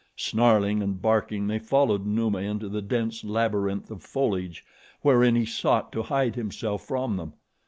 Snarling and barking they followed Numa into the dense labyrinth of foliage wherein he sought to hide himself from them.